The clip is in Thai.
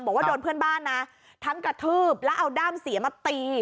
บอกว่าโดนเพื่อนบ้านนะทั้งกระทืบแล้วเอาด้ามเสียมาตี